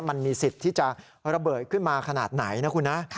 มันมีสิทธิ์ที่จะระเบิดขึ้นมาขนาดไหนนะคุณนะ